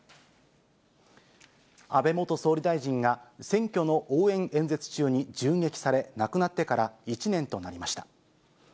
安倍元総理大臣が選挙の応援演説中に銃撃され、亡くなってから１年となりました。